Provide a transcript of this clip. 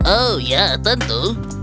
oh ya tentu